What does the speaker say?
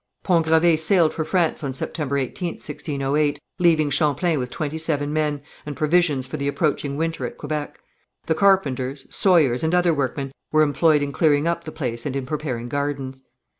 Pont Gravé sailed for France on September 18th, 1608, leaving Champlain with twenty seven men, and provisions for the approaching winter at Quebec. The carpenters, sawyers, and other workmen were employed in clearing up the place and in preparing gardens.